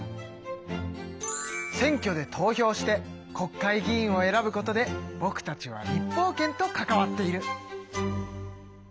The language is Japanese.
選挙で投票して国会議員を選ぶことでぼくたちは立法権と関わっている。